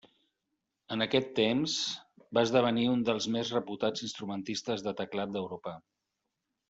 En aquest temps va esdevenir un dels més reputats instrumentistes de teclat d'Europa.